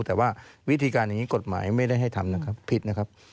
แต่ว่าวิธีการอย่างนี้กฎหมายไม่ได้ให้ทำนะครับผิดนะครับ